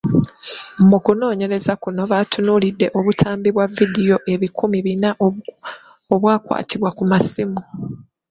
Mu kunoonyereza kuno, batunuulidde obutambi bwa vidiyo ebikumi bina obwakwatibwa ku masimu .